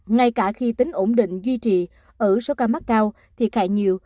ngay cả khi tính ổn định duy trì ở số ca mắc cao thì khai nhiều